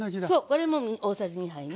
これも大さじ２杯ね。